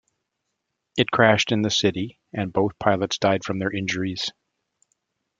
It crashed in the city and both pilots died from their injuries.